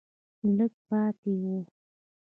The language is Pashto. لږه پاتې وه